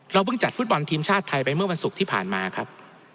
เพิ่งจัดฟุตบอลทีมชาติไทยไปเมื่อวันศุกร์ที่ผ่านมาครับ